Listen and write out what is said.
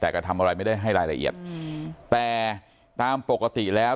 แต่ก็ทำอะไรไม่ได้ให้รายละเอียดแต่ตามปกติแล้ว